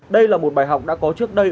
đây là một bài học đã có trước đây